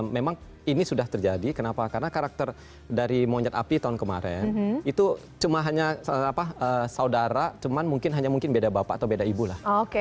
memang ini sudah terjadi kenapa karena karakter dari monyet api tahun kemarin itu cuma hanya saudara cuman mungkin hanya mungkin beda bapak atau beda ibu lah